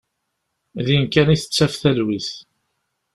Din kan i tettaf talwit.